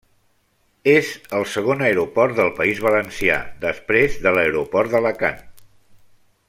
És el segon aeroport del País Valencià després de l'Aeroport d'Alacant.